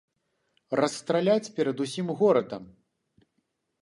Расстраляць перад усім горадам!